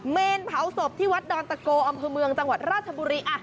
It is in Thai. เมนเผาศพที่วัดดอนตะโกอำเภอเมืองจังหวัดราชบุรี